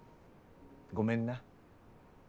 ごめんな。